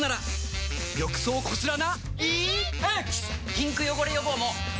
ピンク汚れ予防も！